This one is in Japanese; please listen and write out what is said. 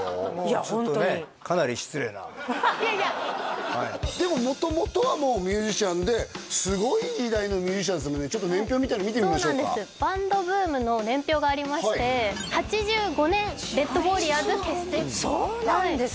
もうちょっとねかなり失礼ないやいやでも元々はミュージシャンですごい時代のミュージシャンですもんねちょっと年表みたいなの見てみましょうかバンドブームの年表がありまして８５年ＲＥＤＷＡＲＲＩＯＲＳ結成そうなんですか？